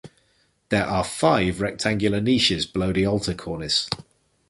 There are five rectangular niches below the altar cornice.